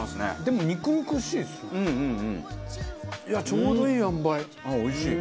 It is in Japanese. ちょうどいいあんばい！